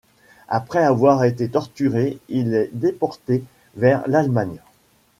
Après avoir été torturé, il est déporté vers l’Allemagne.